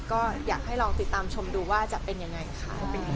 ก็อยากให้ลองติดตามชมดูว่าจะเป็นยังไงค่ะ